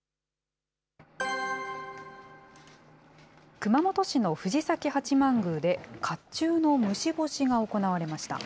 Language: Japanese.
熊本市の藤崎八旛宮で、かっちゅうの虫干しが行われました。